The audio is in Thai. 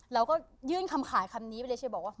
เราก็ยื่นคำขายคำนี้ไปเลยเชียบอกว่า